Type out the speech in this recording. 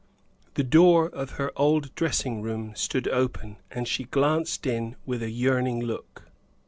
The door of her old dressing room stood open, and she glanced in with a yearning look.